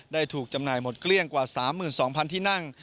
ถูกจำหน่ายหมดเกลี้ยงกว่า๓๒๐๐๐ที่นั่ง